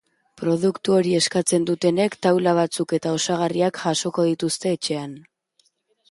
Produktu hori eskatzen dutenek taula batzuk eta osagarriak jasoko dituzte etxean.